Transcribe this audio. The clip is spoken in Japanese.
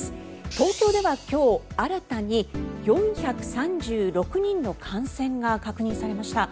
東京では今日、新たに４３６人の感染が確認されました。